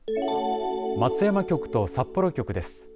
松山局と札幌局です。